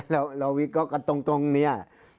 เราวิกกันตรงเนี่ย